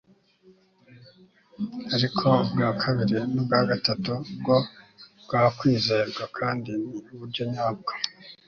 ariko ubwa kabiri n'ubwa gatatu bwo bwakwizerwa kandi ni uburyo nyabwo